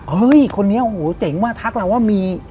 เฮ้ยคนนี้โอ้โหเจ๋งมาทักเราว่ามี